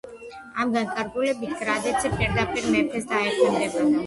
ამ განკარგულებით გრადეცი პირდაპირ მეფეს დაექვემდებარა.